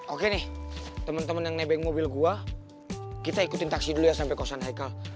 oke nih temen temen yang nebek mobil gue kita ikutin taksi dulu ya sampe kosan haikal